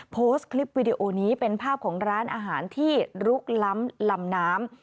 โพสต์คลิปวิดีโอนี้เป็นภาพของร้านอาหารที่ลุกล้ำลำน้ำ